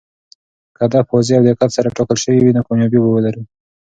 که هدف واضح او دقت سره ټاکل شوی وي، نو کامیابي به ولري.